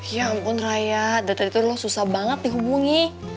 ya ampun raya dari tadi tuh lo susah banget nih hubungi